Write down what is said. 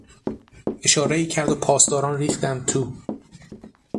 اشارهای کرد و پاسداران ریختند تو.